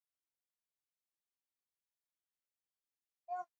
خدای دې ایران او افغانستان دواړه وساتي.